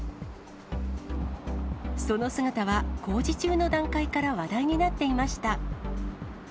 その姿は工事中の段階から話題になっていました。